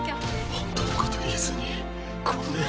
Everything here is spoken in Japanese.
本当のこと言えずにごめん。